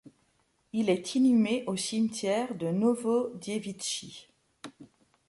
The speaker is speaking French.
Il est inhumé au cimetière de Novodiévitchi.